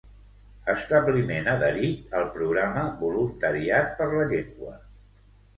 Establiment adherit al programa Voluntariat per la Llengua